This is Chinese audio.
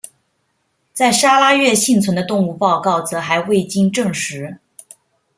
在砂拉越幸存的动物报告则还未经证实。